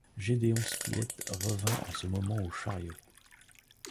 Gédéon Spilett revint en ce moment au chariot